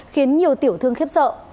khiến nhiều tiểu thương khiếp sợ